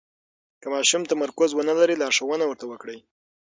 که ماشوم تمرکز ونلري، لارښوونه ورته وکړئ.